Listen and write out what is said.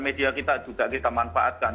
media kita juga kita manfaatkan